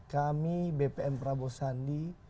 kami bpn prabowo sandi